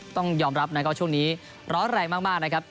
ต้องยอมรับนะครับช่วงนี้ร้อนแรงมากนะครับ